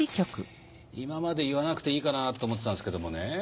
今まで言わなくていいかなと思ってたんですけどもね